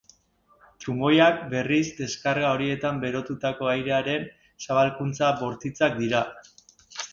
Trumoiak, berriz, deskarga horietan berotutako airearen zabalkuntza bortitzak dira.